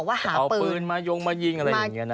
บอกว่าหาปืนเอาปืนมายงมายิงอะไรอย่างนี้นะ